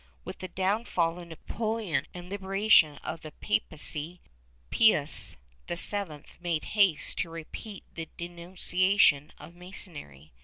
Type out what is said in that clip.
With the downfall of Napoleon and liberation of the papacy, Pius VII made haste to repeat the denunciation of Masonry.